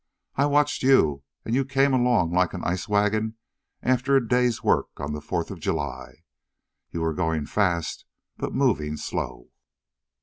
I watched you, and you came along like an ice wagon after a day's work on the Fourth of July. You were going fast, but moving slow."